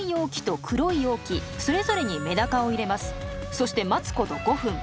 そして待つこと５分。